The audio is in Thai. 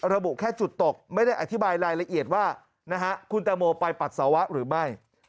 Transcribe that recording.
ระบุแค่จุดตกไม่ได้อธิบายรายละเอียดว่าคุณแตงโมไปปัสสาวะหรือไม่